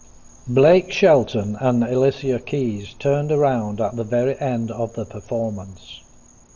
Blake Shelton and Alicia Keys turned around at the very end of the performance.